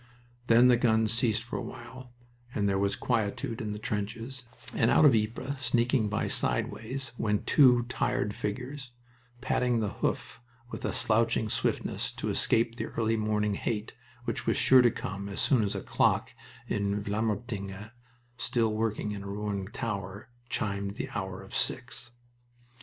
Then the guns ceased for a while, and there was quietude in the trenches, and out of Ypres, sneaking by side ways, went two tired figures, padding the hoof with a slouching swiftness to escape the early morning "hate" which was sure to come as soon as a clock in Vlamertinghe still working in a ruined tower chimed the hour of six.